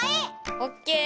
オッケー！